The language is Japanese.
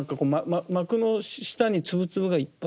膜の下にツブツブがいっぱい。